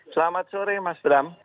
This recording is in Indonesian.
selamat sore mas bram